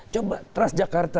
coba trust jakarta